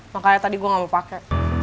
makanya tadi gue gak mau pakai